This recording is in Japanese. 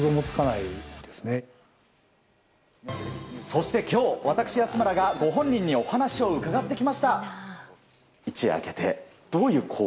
そして今日、私、安村がご本人にお話を伺ってきました。